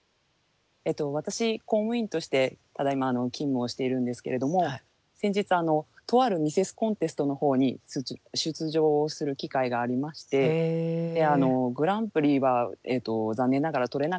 私公務員としてただいま勤務をしているんですけれども先日とあるミセスコンテストのほうに出場する機会がありましてグランプリは残念ながら取れなかったんですけれども。